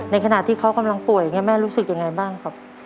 ขณะที่เขากำลังป่วยอย่างนี้แม่รู้สึกยังไงบ้างครับ